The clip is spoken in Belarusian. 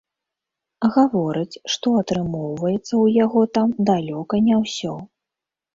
Гаворыць, што атрымоўваецца ў яго там далёка не ўсё.